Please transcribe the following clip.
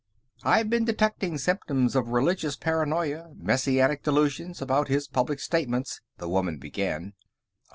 "I've been detecting symptoms of religious paranoia, messianic delusions, about his public statements...." the woman began.